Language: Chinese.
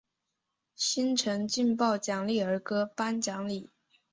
新城劲爆励志儿歌颁奖礼。